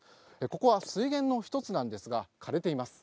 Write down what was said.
ここは水源の１つなんですが枯れています。